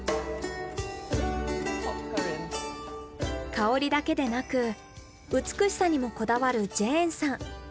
香りだけでなく美しさにもこだわるジェーンさん。